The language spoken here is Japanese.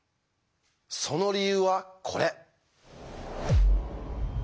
その理由はこれ。